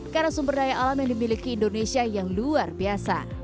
karena sumber daya alam yang dimiliki indonesia yang luar biasa